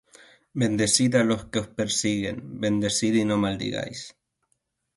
Bendecid á los que os persiguen: bendecid y no maldigáis.